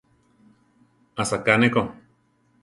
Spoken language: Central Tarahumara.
Asaká ne ko.